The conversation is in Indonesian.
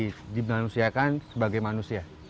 menyibukkan manusia sebagai manusia